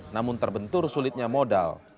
namun terbentur sulitnya modal